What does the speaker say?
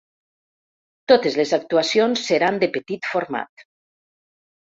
Totes les actuacions seran de petit format.